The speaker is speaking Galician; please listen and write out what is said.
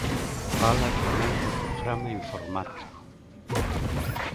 Fala tamén do programa informático.